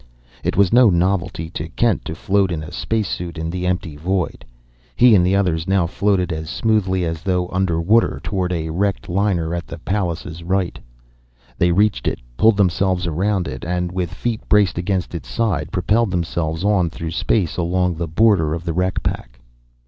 It was no novelty to Kent to float in a space suit in the empty void. He and the others now floated as smoothly as though under water toward a wrecked liner at the Pallas' right. They reached it, pulled themselves around it, and, with feet braced against its side, propelled themselves on through space along the border of the wreck pack.